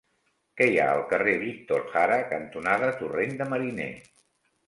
Què hi ha al carrer Víctor Jara cantonada Torrent de Mariner?